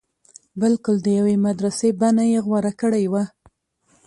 بلکل د يوې مدرسې بنه يې غوره کړې وه.